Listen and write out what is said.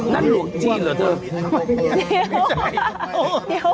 นั่นหลวงจีนเหรอเถอะ